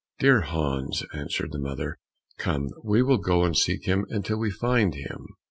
"Dear Hans," answered the mother, "come, we will go and seek him until we find him."